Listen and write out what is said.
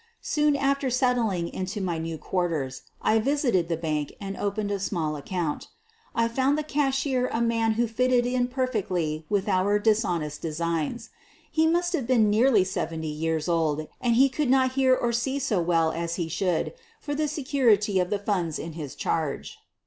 Soon after settling in my new quarters, I visited the bank and opened a small account. I found the cashier a man who fitted in perfectly with our dis honest designs. He must have been nearly seventy years old and he could not hear or see so well as he should for the security of the funds in his charge.